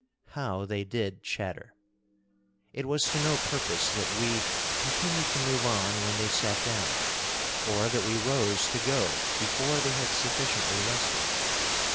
How they did chatter! It was to no purpose that we continued to move on when they sat down, or that we rose to go before they had sufficiently rested.